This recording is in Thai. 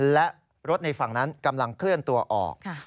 และรถในฝั่งนั้นกำลังเคลื่อนตัวออก